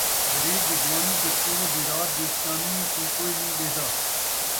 غریب دی جوانی تے پوہ دی رات دی چانݨی کوں کوئی نئیں ݙیہدا